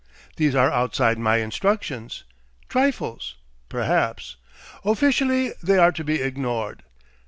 These are outside my instructions. Trifles, perhaps. Officially they are to be ignored.